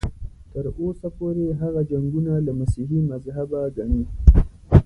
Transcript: تر اوسه پورې هغه جنګونه له مسیحي مذهبه ګڼي.